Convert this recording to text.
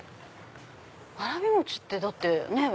わらび餅ってだってね。